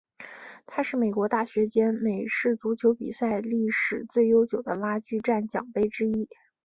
它是美国大学间美式足球比赛历史最悠久的拉锯战奖杯之一。